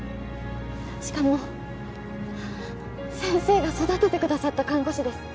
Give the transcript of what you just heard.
しかも先生が育ててくださった看護師です